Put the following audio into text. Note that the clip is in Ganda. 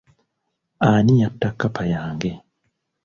Ani yatta kkapa yange.